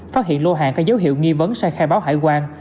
phát hiện lô hàng có dấu hiệu nghi vấn sang khai báo hải quan